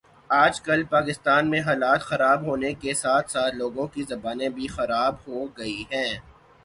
آج کل پاکستان میں حالات خراب ہونے کے ساتھ ساتھ لوگوں کی زبانیں بھی خراب ہو گئی ہیں